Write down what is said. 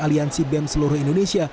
aliansi bem seluruh indonesia